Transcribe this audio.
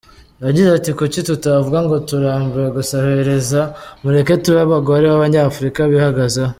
Yagize ati "Kuki tutavuga ngo turambiwe gusabiriza, mureke tube abagore b’abanyafurika bihagazeho.